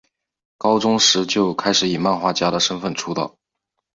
高中时就开始以漫画家的身份出道。